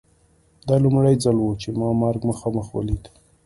دا لومړی ځل و چې ما مرګ مخامخ ولید